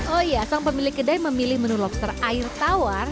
oh iya sang pemilik kedai memilih menu lobster air tawar